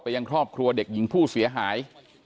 ยังครอบครัวเด็กหญิงผู้เสียหาย